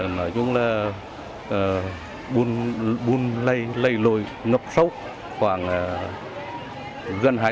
nói chung là bùn lây lầy lồi ngập sâu khoảng gần hai tất